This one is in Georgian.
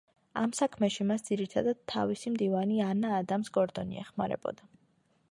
ამ საქმეში მას ძირითადად თავისი მდივანი ანა ადამს გორდონი ეხმარებოდა.